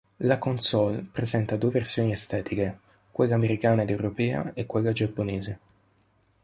La console presenta due versioni estetiche, quella americana ed europea e quella giapponese.